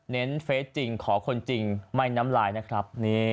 เฟสจริงขอคนจริงไม่น้ำลายนะครับ